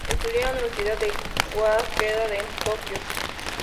Estudió en la Universidad de Waseda en Tokio.